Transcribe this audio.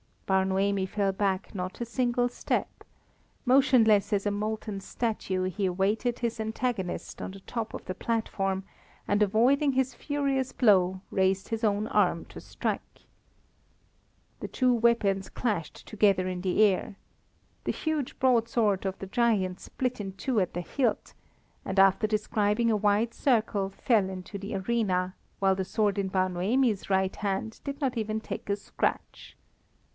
Bar Noemi fell back not a single step. Motionless as a molten statue, he awaited his antagonist on the top of the platform and avoiding his furious blow, raised his own arm to strike. The two weapons clashed together in the air. The huge broadsword of the giant split in two at the hilt, and after describing a wide circle fell into the arena, while the sword in Bar Noemi's right hand did not even take a scratch.